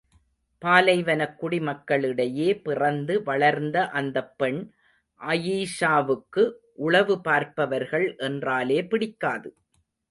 பாலைவனக் குடிமக்களிடையே பிறந்து வளர்ந்த அந்தப் பெண் அயீஷாவுக்கு, உளவு பார்ப்பவர்கள் என்றாலே பிடிக்காது.